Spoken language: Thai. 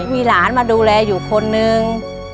มีหลานมาดูแลอยู่คนนึง